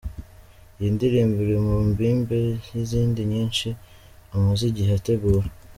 Iyi ndirimbo iri mu mbumbe y’izindi nyinshi amaze igihe ategura.